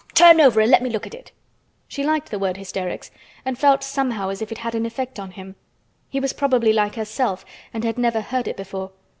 Turn over and let me look at it!" She liked the word "hysterics" and felt somehow as if it had an effect on him. He was probably like herself and had never heard it before.